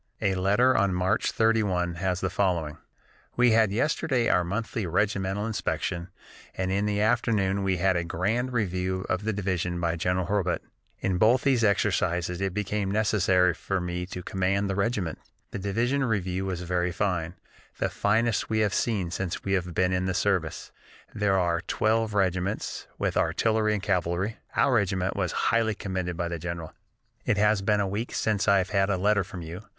A letter on March 31 has the following: "We had yesterday our monthly regimental inspection and in the afternoon we had a grand review of the division by General Hurlbut. In both these exercises it became necessary for me to command the regiment. The division review was very fine, the finest we have seen since we have been in the service. There were twelve regiments, with artillery and cavalry. Our regiment was highly commended by the general. "It has been a week since I have had a letter from you.